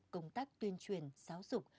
công tác tuyên truyền giáo dục